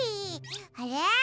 あれ？